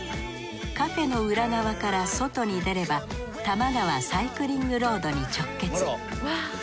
カフェの裏側から外に出れば多摩川サイクリングロードに直結。